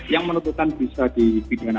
yang menentukan bisa dipidana